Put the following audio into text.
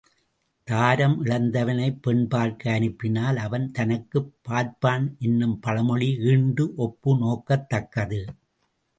தாரம் இழந்தவனைப் பெண் பார்க்க அனுப்பினால், அவன் தனக்குப் பார்ப்பான் என்னும் பழமொழி ஈண்டு ஒப்பு நோக்கத்தக்கது.